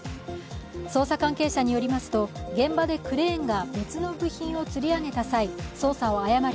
捜査関係者によりますと、現場でクレーンが別の部品をつり上げた際、操作を誤り